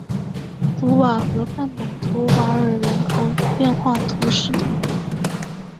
卢瓦河畔蒙图瓦尔人口变化图示